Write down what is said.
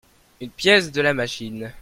Une pièce de la machine.